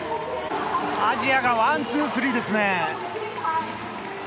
アジアがワン、ツー、スリーですね。